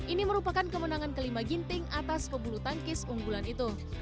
ini merupakan kemenangan kelima ginting atas pebulu tangkis unggulan itu